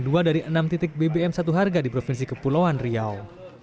dua dari enam titik bbm satu harga di provinsi kepulauan riau